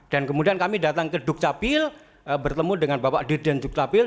dan kemudian kami datang ke dukcapil bertemu dengan bapak dir dan dukcapil